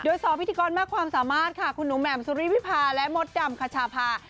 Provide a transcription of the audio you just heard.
โดย๒พิธีกรมากความสามารถค่ะคุณหนูแหม่มสุริวิพาและมดดำคชาพา